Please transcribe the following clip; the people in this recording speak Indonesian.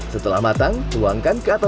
setelah matang tuangkan ke dalam air